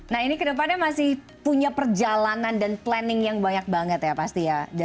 nah ini kedepannya masih punya perjalanan dan planning yang banyak banget ya pasti ya